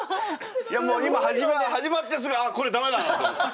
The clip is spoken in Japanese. いやもう今始まってすぐあっこれ駄目だなと思って。